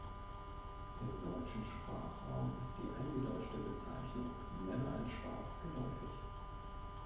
Im deutschen Sprachraum ist die eingedeutschte Bezeichnung „Männer in Schwarz“ geläufig.